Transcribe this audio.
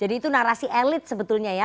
itu narasi elit sebetulnya ya